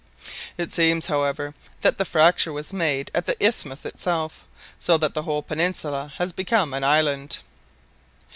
It seems, however, that the fracture was made at the isthmus itself, so that the whole peninsula has become an island."